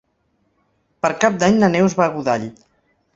Per Cap d'Any na Neus va a Godall.